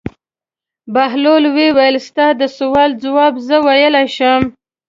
بهلول وویل: ستا د سوال ځواب زه ویلای شم.